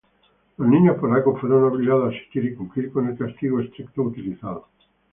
Los niños polacos fueron obligados a asistir y cumplir con el castigo estricto utilizado.